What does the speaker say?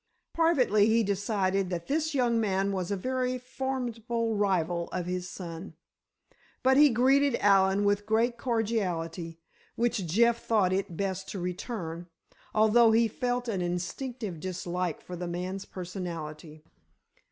Privately he decided that this young man was a very formidable rival of his son. But he greeted Allen with great cordiality, which Jeff thought it best to return, although he felt an instinctive dislike for the man's personality.